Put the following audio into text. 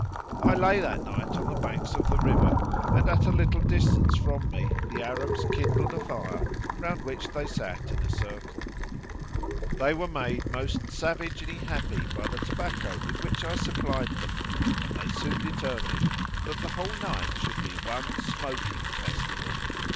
I lay that night on the banks of the river, and at a little distance from me the Arabs kindled a fire, round which they sat in a circle. They were made most savagely happy by the tobacco with which I supplied them, and they soon determined that the whole night should be one smoking festival.